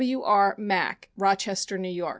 W. R. Mack, Rochester, N. Y.